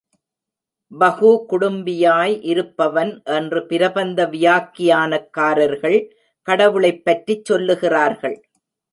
பஹு குடும்பியாய் இருப்பவன் என்று பிரபந்த வியாக்கியானக்காரர்கள் கடவுளைப் பற்றிச் சொல்லுகிறார்கள்.